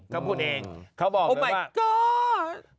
เขาบอกเลยว่าโอ้มายก๊อด